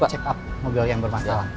check up mobil yang bermasalah